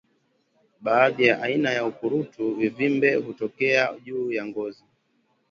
Baadhi ya aina ya ukurutu vivimbe hutokea juu ya ngozi